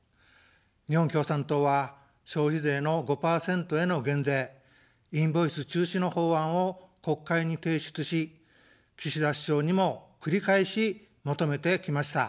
日本共産党は消費税の５％への減税、インボイス中止の法案を国会に提出し、岸田首相にも繰り返し求めてきました。